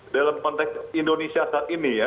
dalam konteks indonesia saat ini ya